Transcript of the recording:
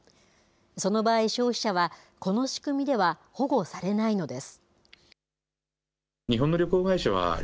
その場合、消費者は、この仕組みでは保護されないのです。